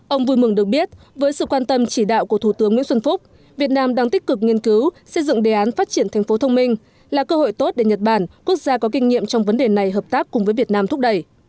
ông vui mừng được biết với sự quan tâm chỉ đạo của thủ tướng nguyễn xuân phúc việt nam đang tích cực nghiên cứu xây dựng đề án phát triển thành phố thông minh là cơ hội tốt để nhật bản quốc gia có kinh nghiệm trong vấn đề này hợp tác cùng với việt nam thúc đẩy